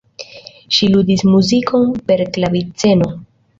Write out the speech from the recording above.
Ŝi ludis muzikon per klaviceno.